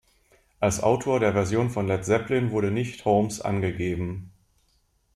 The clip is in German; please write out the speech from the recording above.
Als Autor der Version von Led Zeppelin wurde nicht Holmes angegeben.